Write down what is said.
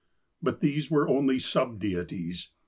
But these were only sub deities.